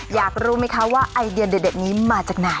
อยากรู้ไหมคะว่าไอเดียเด็ดนี้มาจากไหน